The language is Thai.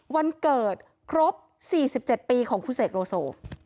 วันเกิดครบ๔๗ปีของคุณเสกโลโซ